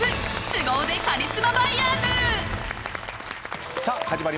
スゴ腕カリスマバイヤーズ』